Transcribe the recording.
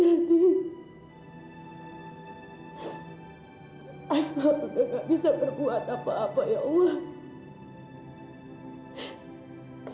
asma juga gak bisa berbuat apa apa ya allah